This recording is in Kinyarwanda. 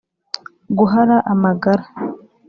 guhara amagara